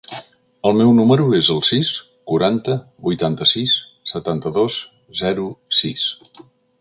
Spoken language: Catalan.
El meu número es el sis, quaranta, vuitanta-sis, setanta-dos, zero, sis.